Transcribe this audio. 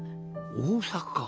大阪。